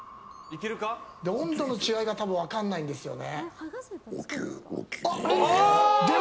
温度の違いが多分、分からないんですよね。